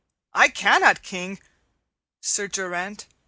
'I cannot, King.' 'Sir Geraint?'